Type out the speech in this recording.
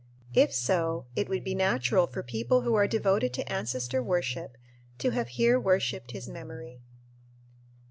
If so, it would be natural for people who are devoted to ancestor worship to have here worshiped his memory.